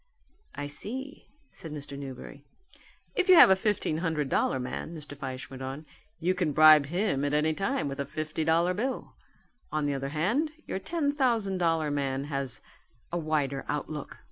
"I see," said Mr. Newberry. "If you have a fifteen hundred dollar man," Mr. Fyshe went on, "you can bribe him at any time with a fifty dollar bill. On the other hand your ten thousand dollar man has a wider outlook.